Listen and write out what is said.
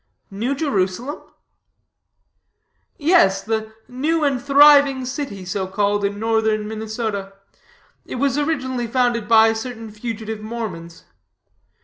"New Jerusalem?" "Yes, the new and thriving city, so called, in northern Minnesota. It was originally founded by certain fugitive Mormons.